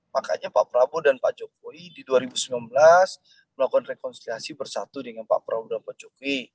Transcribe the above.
makanya pak prabowo dan pak jokowi di dua ribu sembilan belas melakukan rekonsiliasi bersatu dengan pak prabowo dan pak jokowi